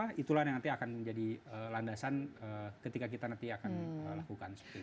dan kebetulan yang nanti akan menjadi landasan ketika kita nanti akan melakukan seperti itu